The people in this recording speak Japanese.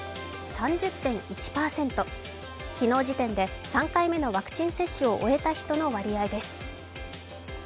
３０．１％、昨日時点で３回目のワクチン接種を終えた人の割合です。